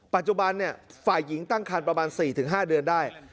ปัจจุบันฝ่ายหญิงตั้งครรภ์ประมาณ๔๕เดือนได้